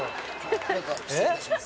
何か失礼いたします。